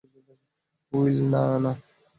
Will, না, না।